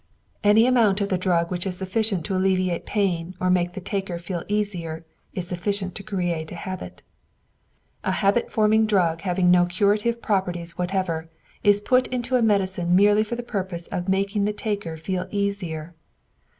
Any amount of the drug which is sufficient to alleviate pain or make the taker feel easier is sufficient to create a habit. A habit forming drug having no curative properties whatever is put into a medicine merely for the purpose of making the taker feel easier.